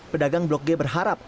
pedagang blok g berharap